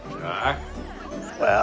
ああ。